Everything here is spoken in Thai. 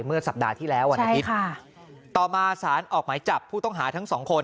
เมื่อสัปดาห์ที่แล้ววันอาทิตย์ต่อมาสารออกหมายจับผู้ต้องหาทั้งสองคน